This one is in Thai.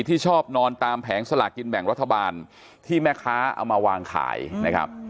ที่ชอบนอนตามแผงสลากินแบ่งรัฐบาลที่แม่ค้าเอามาวางขายนะครับ